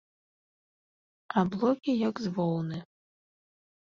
Аблокі, як з воўны.